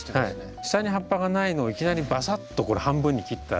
下に葉っぱがないのをいきなりバサッとこれ半分に切ったら。